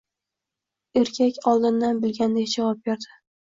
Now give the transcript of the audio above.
Erkak oldindan bilgandek javob berdi